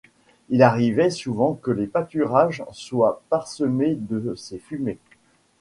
Il arrivait souvent que les pâturages soient parsemés de ces fumées.